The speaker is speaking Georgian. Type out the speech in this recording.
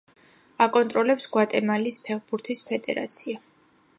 აკონტროლებს გვატემალის ფეხბურთის ფედერაცია.